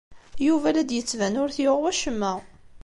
Yuba la d-yettban ur t-yuɣ wacemma.